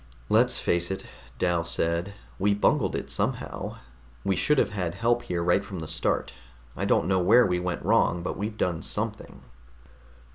"Let's face it," Dal said, "we bungled it somehow. We should have had help here right from the start. I don't know where we went wrong, but we've done something."